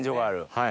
はい。